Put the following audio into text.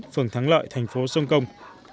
phường thắng lợi thành phố sông công